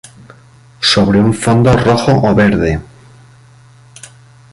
Sobre un fondo rojo o verde.